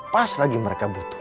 pas lagi mereka butuh